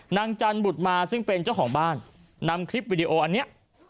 นางจันบุตรมาซึ่งเป็นเจ้าของบ้านนำคลิปวิดีโออันนี้